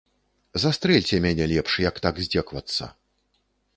Застрэльце мяне лепш, як так здзекавацца!